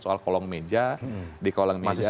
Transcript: soal kolong meja di kolong meja